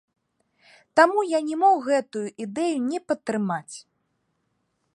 Таму я не мог гэтую ідэю не падтрымаць.